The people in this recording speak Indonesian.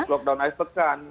lockdown akhir pekan